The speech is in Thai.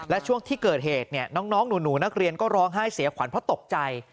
และช่วงที่เกิดเหตุน้องหนูนักเรียนก็ร้องไห้เสียขวัญเพราะตกใจ